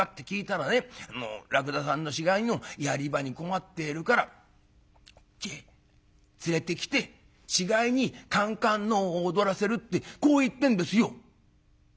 あの『らくださんの死骸のやり場に困っているからこっちへ連れてきて死骸にかんかんのうを踊らせる』ってこう言ってんですよ」。